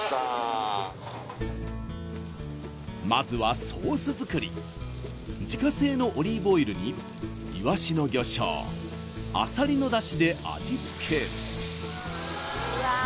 まずはソース作り自家製のオリーブオイルにイワシの魚醤あさりのダシで味付け